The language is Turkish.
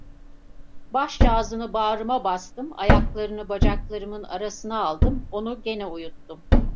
Başcağızını bağnma bastım, ayaklarını bacaklarımın arasına aldım, onu gene uyuttum.